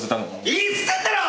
いいっつってんだろ！